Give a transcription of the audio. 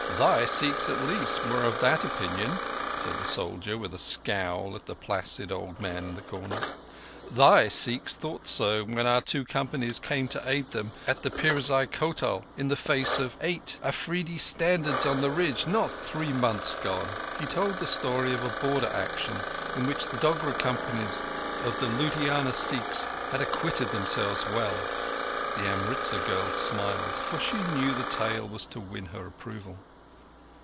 "Thy Sikhs at least were of that opinion," said the soldier, with a scowl at the placid old man in the corner. "Thy Sikhs thought so when our two companies came to help them at the Pirzai Kotal in the face of eight Afridi standards on the ridge not three months gone." He told the story of a Border action in which the Dogra companies of the Ludhiana Sikhs had acquitted themselves well. The Amritzar girl smiled; for she knew the talk was to win her approval.